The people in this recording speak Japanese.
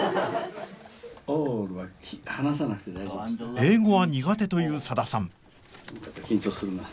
英語は苦手というさださん